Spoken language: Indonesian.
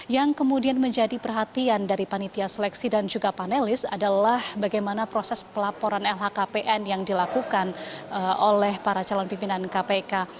yang kemudian menjadi perhatian dari panitia seleksi dan juga panelis adalah bagaimana proses pelaporan lhkpn yang dilakukan oleh para calon pimpinan kpk